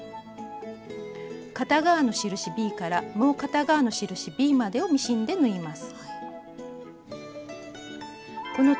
片側の印ｂからもう片側の印ｂまでをミシンで縫います。